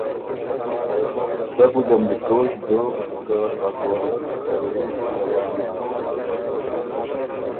سَۀ ګځم بُو سوچ دوک که ا ګورۀ ر په بېژه روان هۀ